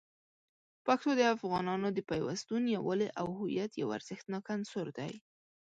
پښتو د افغانانو د پیوستون، یووالي، او هویت یو ارزښتناک عنصر دی.